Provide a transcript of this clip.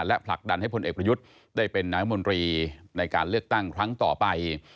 และผลักดันให้พลเอกประยุทธ์ได้เป็นนายมนตรีในการเลือกตั้งครั้งต่อไป